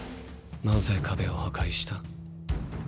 なぜ壁を破壊した？